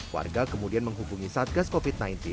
warga kemudian menghubungi satgas covid sembilan belas